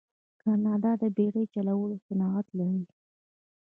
کاناډا د بیړۍ چلولو صنعت لري.